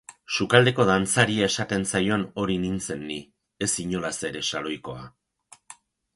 Sukaldeko dantzaria esaten zaion hori nintzen ni, ez inolaz ere saloikoa.